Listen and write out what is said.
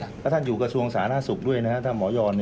แล้วท่านอยู่กระทรวงศาลหน้าศุกร์ด้วยนะครับท่านหมอย้อน